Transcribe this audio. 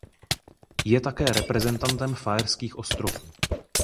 Je také reprezentantem Faerských ostrovů.